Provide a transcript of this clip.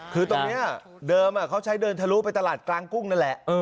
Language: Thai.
คือตรงนี้เดิมเขาใช้เดินทะลุไปตลาดกลางกุ้งนั่นแหละ